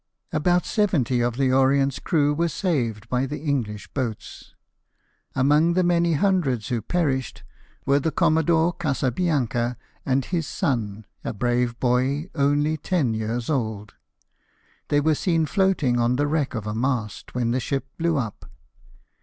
About seventy of the Orient's crew were saved by the English boats. Among the many hundreds who perished were the Commodore Casa Bianca and his son, a brave boy only ten years old^. They were seen floating on the wreck of a mast when the ship blew up.